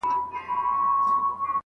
آیا نوی بوټ تر زوړ بوټ کلک دی؟